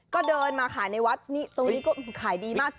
ก็เดินมาขายในวัดนี่ตรงนี้ก็ขายดีมาก